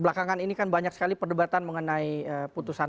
belakangan ini kan banyak sekali perdebatan mengenai putusan